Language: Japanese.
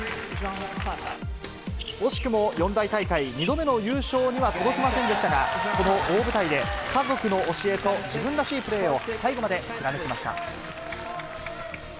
惜しくも四大大会２度目の優勝には届きませんでしたが、この大舞台で、家族の教えと自分らしいプレーを最後まで貫きました。